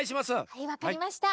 はいわかりました。